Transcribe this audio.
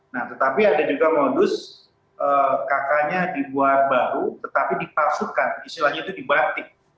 nah tetapi ada juga modus kakaknya dibuat baru tetapi dipalsukan istilahnya itu dibatik